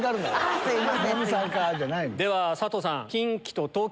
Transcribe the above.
では佐藤さん